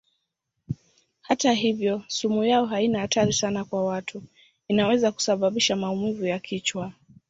Hata hivyo sumu yao haina hatari sana kwa watu; inaweza kusababisha maumivu ya kichwa.